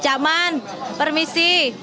cak man permisi